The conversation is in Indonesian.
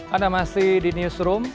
anda masih di newsroom